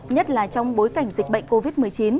nhất là trong bối cảnh dịch bệnh covid một mươi chín